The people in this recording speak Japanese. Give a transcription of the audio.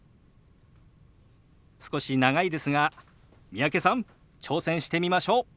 少し長いですが三宅さん挑戦してみましょう。